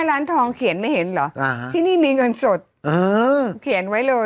ร้านทองเขียนไม่เห็นเหรอที่นี่มีเงินสดเขียนไว้เลย